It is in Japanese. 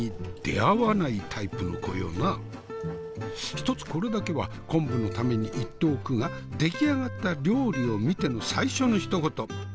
一つこれだけは昆布のために言っておくが出来上がった料理を見ての最初のひと言「ヘルシー！」。